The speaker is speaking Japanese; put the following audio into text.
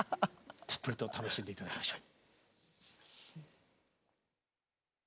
たっぷりと楽しんで頂きましょう。